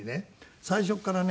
最初からね